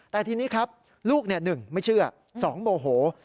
แต่ทีนี้ครับลูก๑ไม่เชื่อ๒โมโห